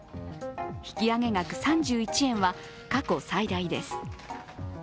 引き上げ額３１円は、過去最大です。